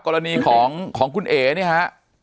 กรณีของคุณเอ๋เนี่ยฮะ